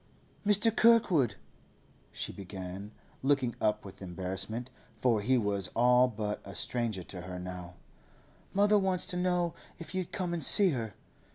'Mr. Kirkwood,' she began, looking up with embarrassment, for he was all but a stranger to her now, 'mother wants to know if you'd come and see her.